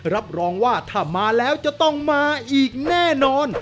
รับรองว่าถ้ามาแล้วจะต้องมาอีกแน่นอน